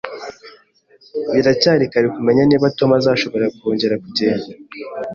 Biracyari kare kumenya niba Tom azashobora kongera kugenda